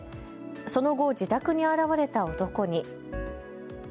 その後、自宅に現れた男に。